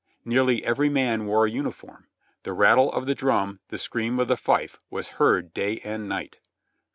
Nearly ever} man wore a uniform ; the rattle of the drum, the scream of the fife was heard day and night.